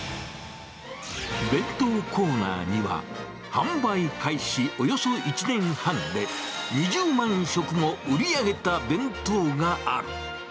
弁当コーナーには、販売開始およそ１年半で、２０万食も売り上げた弁当がある。